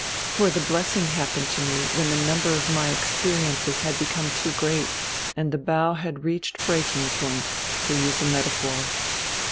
"For the blessing happened to me when the number of my experiences had become too great, and the bow had reached breaking point, to use a metaphor.